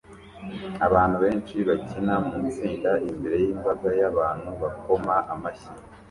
Abantu benshi bakina mu itsinda imbere yimbaga y'abantu bakoma amashyi